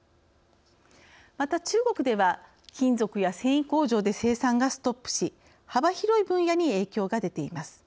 また、中国では金属や繊維工場で生産がストップし幅広い分野に影響が出ています。